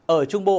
ở trung bộ